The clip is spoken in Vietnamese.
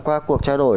qua cuộc trao đổi